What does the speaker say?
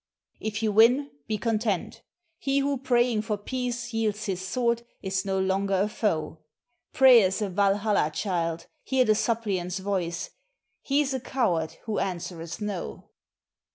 "If you win, be content; he who praying for peace yields his sword, is no longer a foe; "Prayer's a Valhalla child, hear the suppliant voice; he's a coward who answereth no.